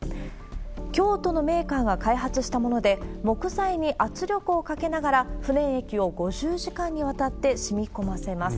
京都のメーカーが開発したもので、木材に圧力をかけながら、不燃液を５０時間にわたってしみこませます。